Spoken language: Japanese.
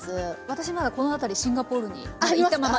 私まだこの辺りシンガポールに行ったまま。